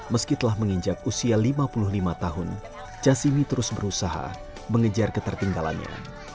meski telah menginjak usia lima puluh lima tahun jasimi terus berusaha mengejar ketertinggalannya